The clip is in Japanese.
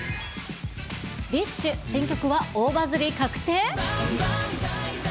ＤＩＳＨ／／新曲は大バズり確定？